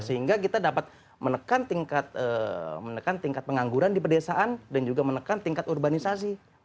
sehingga kita dapat menekan tingkat pengangguran di pedesaan dan juga menekan tingkat urbanisasi